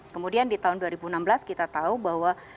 kemudian di tahun dua ribu enam belas kita tahu bahwa